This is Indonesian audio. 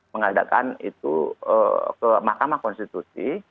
mengadakan itu ke mahkamah konstitusi